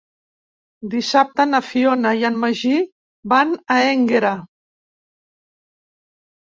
Dissabte na Fiona i en Magí van a Énguera.